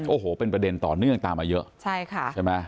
โอ้โหเป็นประเด็นต่อเนื่องต่อมาเยอะ